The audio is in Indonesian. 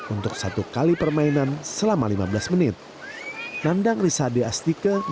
untuk satu kali permainan selama lima belas menit